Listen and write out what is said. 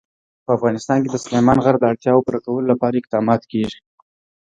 په افغانستان کې د سلیمان غر د اړتیاوو پوره کولو لپاره اقدامات کېږي.